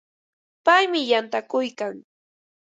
Paymi yantakuykan.